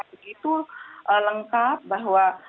yang begitu lengkap bahwa